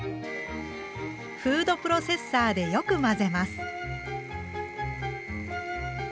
フードプロセッサーでよく混ぜます。